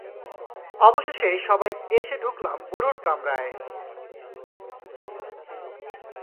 অবশেষে সবাই এসে ঢুকলাম বুড়োর কামরায়।